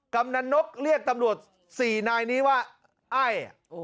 กำลังนกเรียกตำรวจ๔นายนี้ว่าไอ้